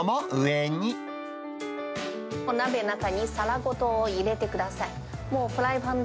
鍋の中に皿ごと入れてください。